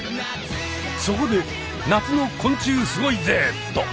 そこで夏の「昆虫すごいＺ！」。